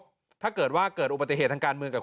หลายฝ่ายกกว่าอาจจะเป็นตัวสอดแทรกมารับตำแหน่งนายก